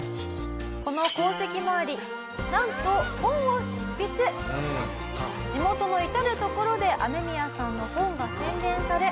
この功績もありなんと地元の至る所でアメミヤさんの本が宣伝され。